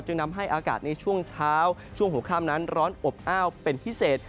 นำให้อากาศในช่วงเช้าช่วงหัวข้ามนั้นร้อนอบอ้าวเป็นพิเศษ